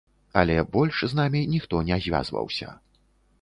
Але больш з намі ніхто не звязваўся.